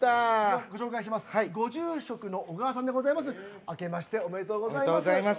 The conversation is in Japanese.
ご住職の小川さんでございます。